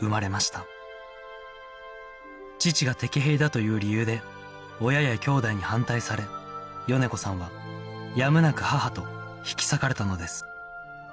父が敵兵だという理由で親やきょうだいに反対され米子さんはやむなく母と引き裂かれたのです